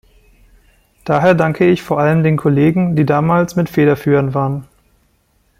Daher danke ich vor allem den Kollegen, die damals mit federführend waren.